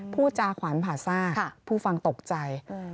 พูดจ่าขวานภาษาผู้ฟังตกใจ